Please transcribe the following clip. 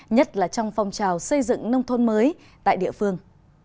nhất là trong phong trào xây dựng nông thôn mới tại địa phương